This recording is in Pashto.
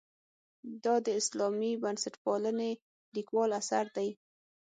دا د اسلامي بنسټپالنې لیکوال اثر دی.